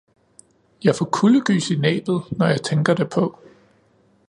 Jeg får kuldegys i næbbet, når jeg tænker derpå